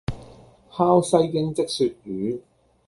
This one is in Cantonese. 烤西京漬鱈魚